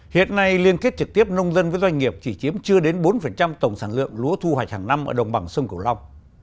hiện nay liên kết trực tiếp nông dân với doanh nghiệp chỉ chiếm chưa đến bốn tổng sản lượng lúa thu hoạch hàng năm ở đồng bằng sông cửu long